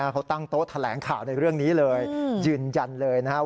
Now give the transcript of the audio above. เขาตั้งโต๊ะแถลงข่าวในเรื่องนี้เลยยืนยันเลยนะครับ